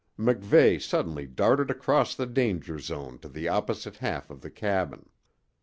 MacVeigh suddenly darted across the danger zone to the opposite half of the cabin.